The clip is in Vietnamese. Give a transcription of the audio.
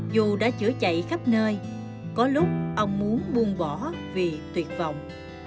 dù đã chữa chạy khắp nơi có lúc ông muốn buông bỏ vì tuyệt vọng